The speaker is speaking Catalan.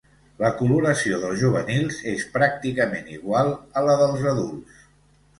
La coloració dels juvenils és pràcticament igual a la dels adults.